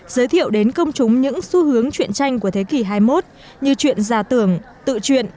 giới thiệu đến công chúng những xu hướng chuyện tranh của thế kỷ hai mươi một như chuyện già tưởng tự chuyện